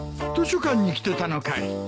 図書館に来てたのかい。